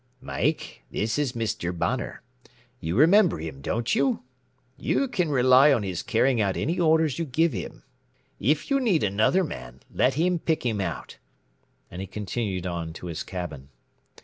"Mike, this is Mr. Bonner; you remember him, don't you? You can rely on his carrying out any orders you give him. If you need another man let him pick him out " and he continued on to his cabin.